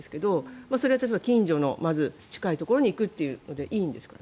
それは多分、近所の近いところに行くというのでいいんですか？